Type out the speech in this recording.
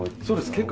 そうです。